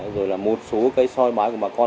rồi là một số cái soi mái của bà con